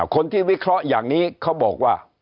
วิเคราะห์อย่างนี้เขาบอกว่า